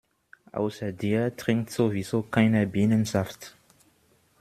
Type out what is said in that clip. Außer dir trinkt sowieso keiner Birnensaft.